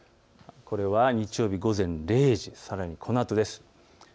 これは日曜日午前０時、さらにこのあとです。